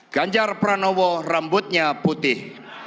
ganjar pranowo rambutnya putih